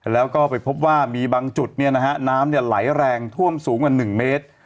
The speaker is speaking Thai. แล้วก็ไปพบว่ามีบางจุดเนี้ยนะฮะน้ำเนี้ยไหลแรงท่วมสูงกันหนึ่งเมตร